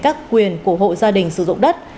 các quyền của hộ gia đình sử dụng đất